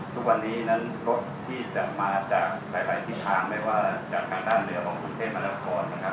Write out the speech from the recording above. ทุกวันนี้นั้นรถที่จะมาจากหลายทิศทางไม่ว่าจากทางด้านเหนือของกรุงเทพมหานครนะครับ